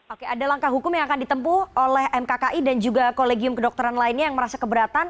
oke ada langkah hukum yang akan ditempuh oleh mkki dan juga kolegium kedokteran lainnya yang merasa keberatan